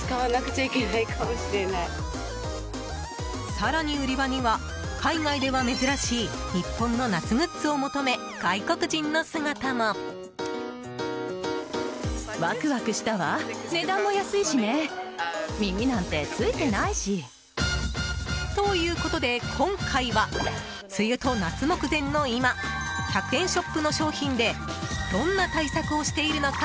更に、売り場には海外では珍しい日本の夏グッズを求め外国人の姿も。ということで今回は梅雨と夏目前の今１００円ショップの商品でどんな対策をしているのか？